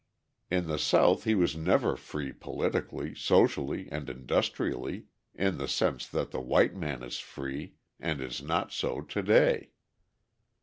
In the South he was never free politically, socially, and industrially, in the sense that the white man is free, and is not so to day.